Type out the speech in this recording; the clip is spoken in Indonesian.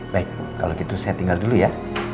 baik kalau gitu saya tinggal dulu ya